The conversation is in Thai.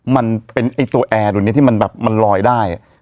มันเป็นตัวแอร์หนึ่งที่มันอยู่ได้